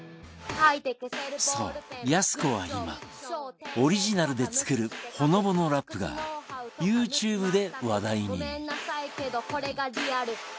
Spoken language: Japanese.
そうやす子は今オリジナルで作るほのぼのラップがユーチューブで話題に